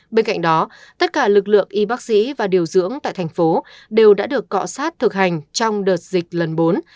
bên cạnh đó tất cả lực lượng y bác sĩ và điều dưỡng tại thành phố đều đã được cọ sát thực hành trong đợt dịch lần bốn